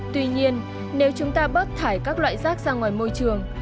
tuy nhiên nếu chúng ta bớt thải các loại rác ra ngoài môi trường